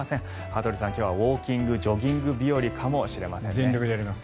羽鳥さん、今日はウォーキングジョギング日和かもしれません。